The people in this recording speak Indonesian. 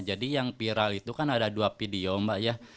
jadi yang viral itu kan ada dua video mbak ya